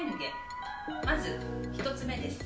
まず１つ目です。